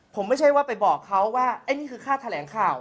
ผมไม่ใช่ว่าไปบอกเขาว่าไอ้นี่คือค่าแถลงข่าว